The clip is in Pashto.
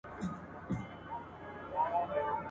په ملګرو چي دي ګډه واویلا ده !.